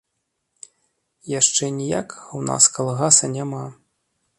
Яшчэ ніякага ў нас калгаса няма.